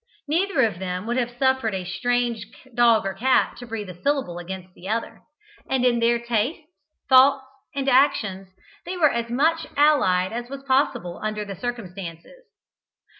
Neither of them would have suffered a strange dog or cat to breathe a syllable against the other; and in their tastes, thoughts, and actions, they were as much allied as was possible under the circumstances.